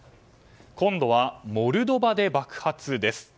今度はモルドバで爆発です。